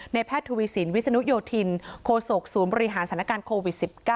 แพทย์ทวีสินวิศนุโยธินโคศกศูนย์บริหารสถานการณ์โควิด๑๙